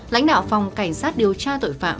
lãnh đạo phòng cảnh sát điều tra tội phạm